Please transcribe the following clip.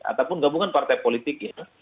ataupun gabungan partai politik ya